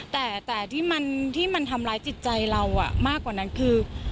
แต่ที่มันทำร้ายจิตใจเรามากกว่านั้นคือ